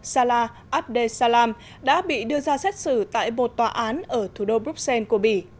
salah abdesalam đã bị đưa ra xét xử tại một tòa án ở thủ đô bruxelles của bỉ